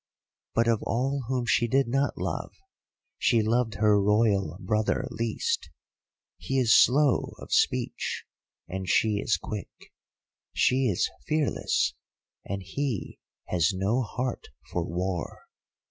But of all whom she did not love she loved her Royal brother least. He is slow of speech, and she is quick. She is fearless and he has no heart for war.